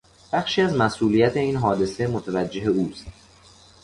بخشی از مسئولیت این حادثه متوجه اوست.